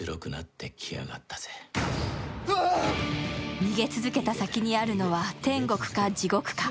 逃げ続けた先にあるのは天国か地獄か。